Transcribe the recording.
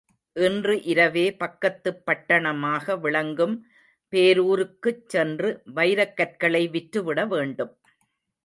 இன்று இரவே, பக்கத்துப் பட்டணமாக விளங்கும் பேருருக்குச் சென்று, வைரக்கற்களை விற்றுவிடவேண்டும்.